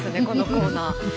このコーナー。